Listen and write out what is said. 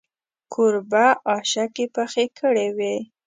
کوربه اشکې پخې کړې وې.